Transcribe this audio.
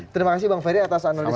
terima kasih bang ferry atas analisis